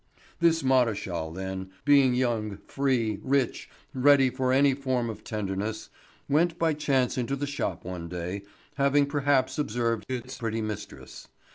This Maréchal then, being young, free, rich, ready for any form of tenderness, went by chance into the shop one day, having perhaps observed its pretty mistress.